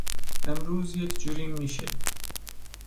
امروز یک جوریم میشه.